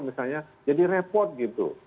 misalnya jadi repot gitu